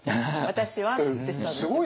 「私は」ってしたんですよ。